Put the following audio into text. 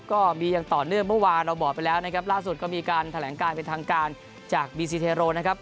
ก็มีอย่างต่อเนื่องเมื่อวานเราบอกไปแล้วนะครับล่าสุดก็มีการแถลงการเป็นทางการจากบีซีเทโรนะครับ